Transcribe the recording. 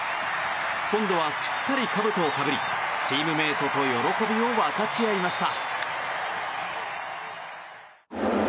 今度は、しっかりかぶとをかぶりチームメートと喜びを分かち合いました。